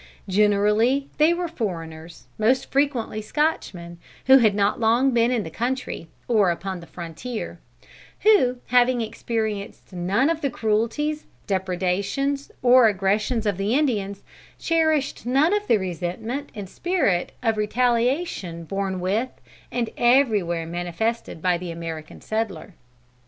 Generally they were foreigners, most frequently Scotchmen, who had not been long in the country, or upon the frontier; who, having experienced none of the cruelties, depredations or aggressions of the Indians, cherished none of the resentment and spirit of retaliation born with and everywhere manifested by the American settler.